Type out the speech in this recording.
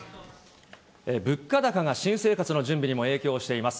物価高が新生活の準備にも影響しています。